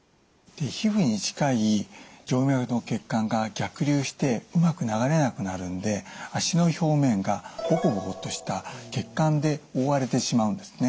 皮膚に近い静脈の血管が逆流してうまく流れなくなるんで脚の表面がボコボコとした血管で覆われてしまうんですね。